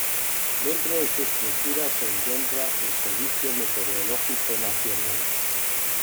Dentro de su estructura se encuentra el Servicio Meteorológico Nacional.